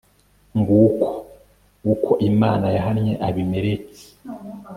nguko uko imana yahannye abimeleki